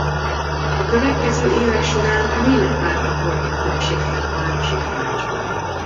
A következő évek során a német pártok voltak többségben a városi tanácsban.